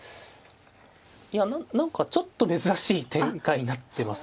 いや何かちょっと珍しい展開になってますね。